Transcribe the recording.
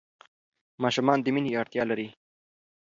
ماشومان د مینې اړتیا لري.